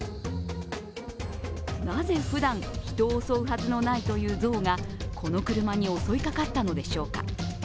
なぜ普段、人を襲うはずのないという象がこの車に襲いかかったのでしょうか。